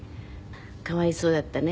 かわいそうだったね。